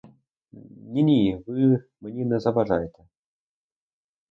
Ні, ні, ви мені не заважаєте!